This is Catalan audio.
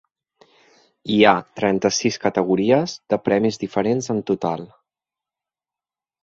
Hi ha trenta-sis categories de premis diferents en total.